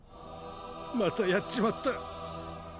またやっちまった。